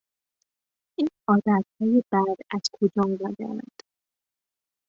این عادتهای بد از کجا آمدهاند؟